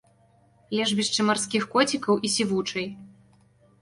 Лежбішчы марскіх коцікаў і сівучай.